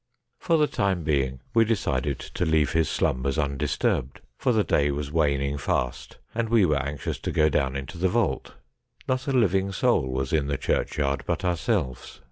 For the time being we decided to leave his slumbers un disturbed, for the day was waning fast, and we were anxious to go down into the vault. Not a living soul was in the churchyard but ourselves.